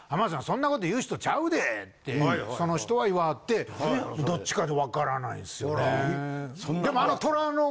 そんなこと言う人ちゃうでってその人は言わはってどっちか分からないんすよね。